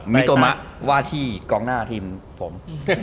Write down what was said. มิโตมะว่าที่กองหน้าทีมผม